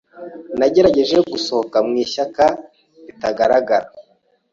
Nagerageje gusohoka mu ishyaka ritagaragara.